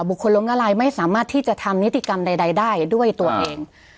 คนล้มละลายไม่สามารถที่จะทำนิติกรรมใดได้ด้วยตัวเอง